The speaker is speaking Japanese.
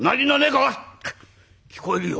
「聞こえるよ」。